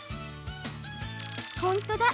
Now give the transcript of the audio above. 本当だ